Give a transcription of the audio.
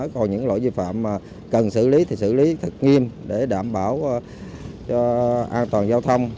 có những lỗi vi phạm cần xử lý thì xử lý thật nghiêm để đảm bảo an toàn giao thông